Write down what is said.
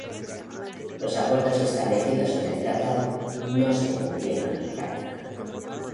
Los acuerdos establecidos en el Tratado no se cumplieron en práctica.